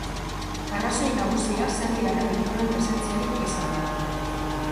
Arrazoi nagusia serbiarren ikurren presentziarik eza da.